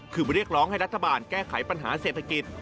คือเรียกร้องให้รัฐบาลแก้ไขปัญหาเศรษฐกิจ